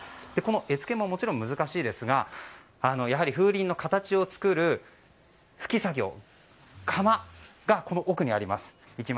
絵付けももちろん難しいですがやはり風鈴の形を作る吹き作業窯がこの奥にあります。